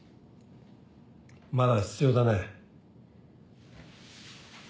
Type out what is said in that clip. まだ必要だね。